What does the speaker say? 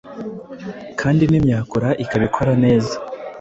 kandi n’imyakura ikaba ikora neza.